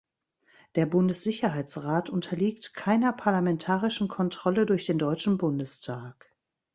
Der Bundessicherheitsrat unterliegt keiner parlamentarischen Kontrolle durch den Deutschen Bundestag.